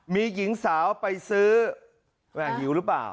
มีหญิงสาวไปซื้อหิวหรือเปล่า